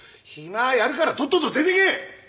暇やるからとっとと出てけ！